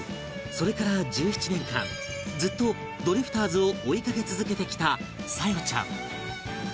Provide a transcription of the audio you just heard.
それから１７年間ずっとドリフターズを追いかけ続けてきた沙夜ちゃん